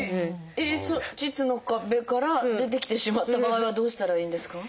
腟の壁から出てきてしまった場合はどうしたらいいんですか？